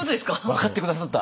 分かって下さった！